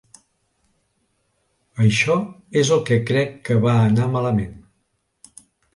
Això és el que crec que va anar malament.